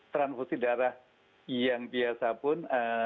transfusi darah yang biasa pun